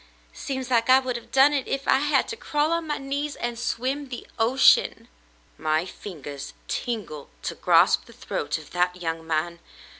Seems like I would have done it if I had had to crawl on my knees and swim the ocean." "My fingers tingle to grasp the throat of that young man.